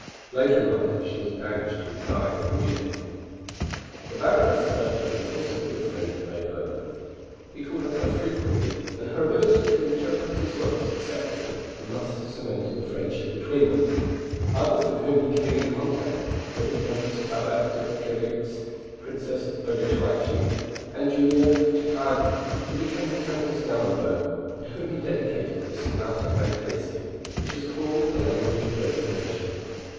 Later in life she was banished and died in Munich. The Baroness Ertmann was also a good friend to Beethoven. He called on her frequently and her ability to interpret his works acceptably must have cemented the friendship between them. Others with whom he came in contact were the Countess Babette de Keglivics (Princess Odeschalchi), and Julia Guicciardi, who became the Countess Gallenberg, and to whom he dedicated the Sonata Fantasia, which is called the language of resignation.